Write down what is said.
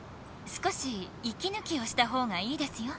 少しいきぬきをしたほうがいいですよ。